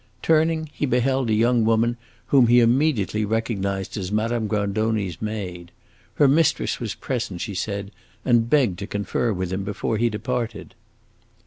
Turning, he beheld a young woman whom he immediately recognized as Madame Grandoni's maid. Her mistress was present, she said, and begged to confer with him before he departed.